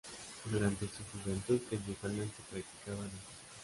Durante su juventud principalmente practicaba natación.